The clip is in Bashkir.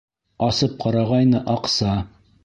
Асып ҡарағайны — аҡса!..